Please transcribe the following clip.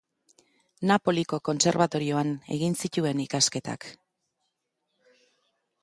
Napoliko Kontserbatorioan egin zituen ikasketak.